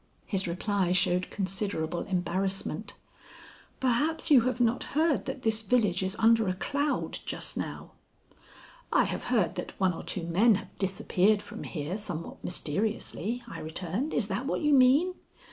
His reply showed considerable embarrassment. "Perhaps you have not heard that this village is under a cloud just now?" "I have heard that one or two men have disappeared from here somewhat mysteriously," I returned. "Is that what you mean?"